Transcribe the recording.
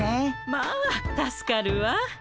まあ助かるわ。